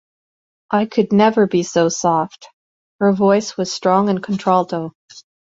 “I could never be so soft.” Her voice was strong and contralto.